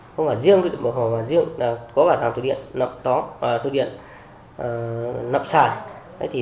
không phải riêng thủy điện bản hồ mà riêng là có bản hàm thủy điện lập xài